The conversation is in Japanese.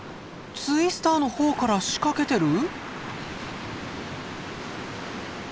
ツイスターの方から仕掛けてる？